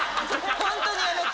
ホントにやめて。